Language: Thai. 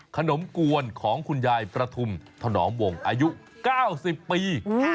ขนมกวนของคุณยายประทุมถนอมวงอายุ๙๐ปี